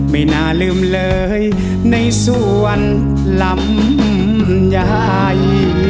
ไม่น่าลืมเลยในส่วนลำใหญ่